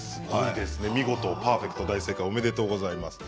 見事パーフェクトおめでとうございます。